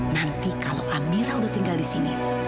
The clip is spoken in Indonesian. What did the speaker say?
nanti kalau amira udah tinggal disini